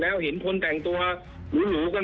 แล้วยังต้องมาฟังดนตรี